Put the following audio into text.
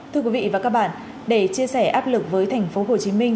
thưa quý vị và các bạn để chia sẻ áp lực với thành phố hồ chí minh